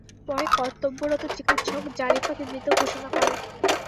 পরে কর্তব্যরত চিকিৎসক জারিফাকে মৃত ঘোষণা করেন।